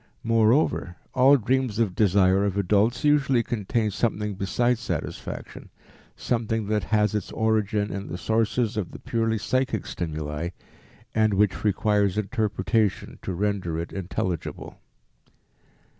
Moreover, all dreams of desire of adults usually contain something besides satisfaction, something that has its origin in the sources of the purely psychic stimuli, and which requires interpretation to render it intelligible.